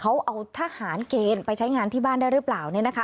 เขาเอาทหารเกณฑ์ไปใช้งานที่บ้านได้หรือเปล่า